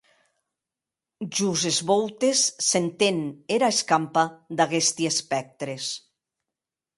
Jos es vòutes s’enten era escampa d’aguesti espèctres.